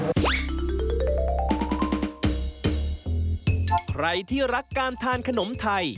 ใครที่รักการทานขนมไทย